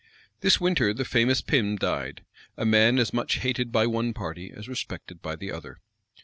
This winter the famous Pym died; a man as much hated by one party as respected by the other.